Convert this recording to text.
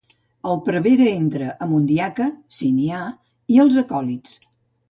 El prevere entra, amb un diaca -si n'hi ha-, i els acòlits.